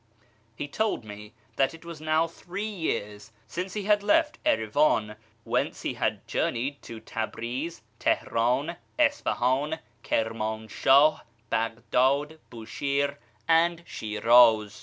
He told me that it was now three years since he had left Erivan, whence he had journeyed to Tabriz, Teheran, Isfahan, Kirmanshah, Baghdad, Bushire, and Shiraz.